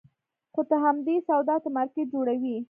خو ته همدې سودا ته مارکېټ جوړوې.